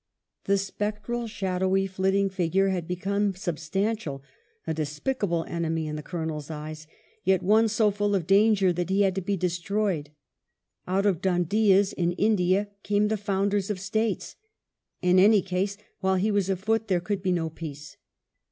The spectral, shadowy, flitting figure had become substantial, a " despicable enemy " in the Colonel's eyes, yet one so full of danger that he had to be destroyed. Out of Dhoondiahs in India came the founders of States. In any case, while he was afoot there could be no peace.